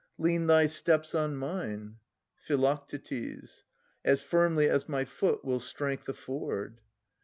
Lean thy steps on mine. Phi. As firmly as my foot will strength afford.